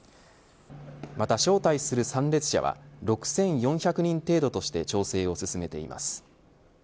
また招待する参列者は６４００人程度として調整を進めています。